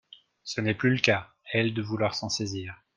Ce n’est plus le cas, à elles de vouloir s’en saisir.